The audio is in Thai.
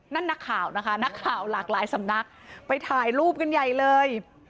นักข่าวนะคะนักข่าวหลากหลายสำนักไปถ่ายรูปกันใหญ่เลย